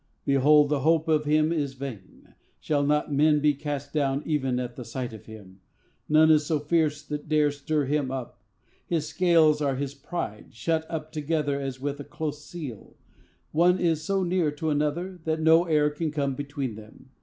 "Behold, the hope of him is vain. Shall not men be cast down even at the sight of him? None is so fierce that dare stir him up. His scales are his pride, shut up together as with a close seal; one is so near to another that no air can come between them.